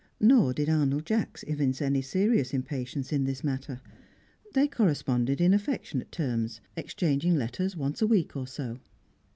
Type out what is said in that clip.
Nor did Arnold Jacks evince any serious impatience in this matter. They corresponded in affectionate terms, exchanging letters once a week or so.